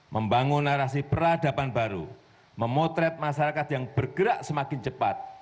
membangun narasi peradaban baru memotret masyarakat yang bergerak semakin cepat